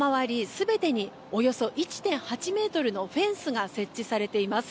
全てにおよそ１．８ｍのフェンスが設置されています。